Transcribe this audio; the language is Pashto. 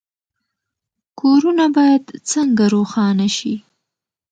کورونه باید څنګه روښانه شي؟